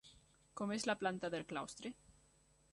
Com és la planta del claustre?